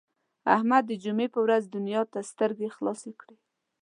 احمد د جمعې په ورځ دنیا ته سترګې خلاصې کړې.